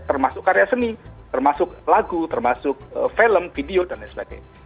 termasuk karya seni termasuk lagu termasuk film video dan lain sebagainya